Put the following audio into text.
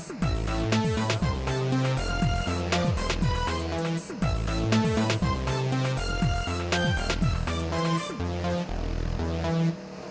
sekarang juga lo harus ambil ini